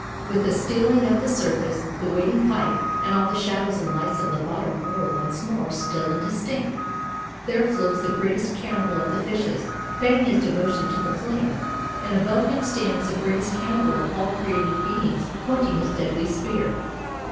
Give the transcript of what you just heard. With the stilling of the surface, the waiting pike and all the shadows and lights of the bottom grow once more still and distinct. There floats the greatest cannibal of the fishes, paying his devotion to the flame, and above him stands the greatest cannibal of all created beings, pointing his deadly spear.